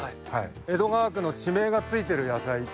江戸川区の地名がついてる野菜。